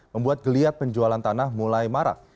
membuat geliat penjualan tanah mulai marak